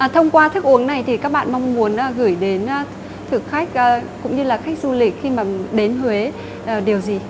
thông qua thức uống này thì các bạn mong muốn gửi đến thực khách cũng như là khách du lịch khi mà đến huế điều gì